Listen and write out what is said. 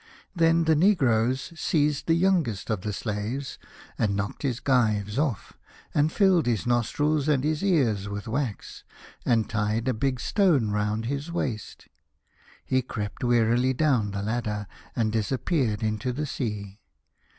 Then the negroes seized the youngest of the slaves, and knocked his gyves off, and filled his nostrils and his ears with wax, and tied a big stone round his waist. He crept wearily down the ladder, and disappeared into the sea.